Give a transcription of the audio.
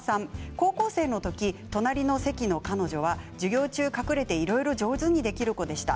高校生の時、隣の席の彼女は授業中隠れていろいろ上手にできる子でした。